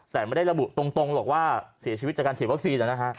แต่ไม่ได้ระบุตรงหรอกว่าเสียชีวิตจากการฉีดวัคซีนนะฮะ